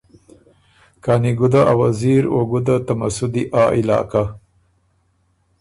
کانی ګُده ا وزیر او ګُده ته مسُودی آ علاقۀ